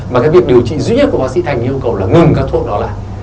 mà cái việc điều trị duy nhất của bác sĩ thành yêu cầu là ngừng các thuốc đó lại